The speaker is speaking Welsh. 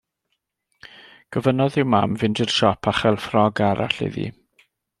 Gofynnodd i'w mam fynd i'r siop a chael ffrog arall iddi.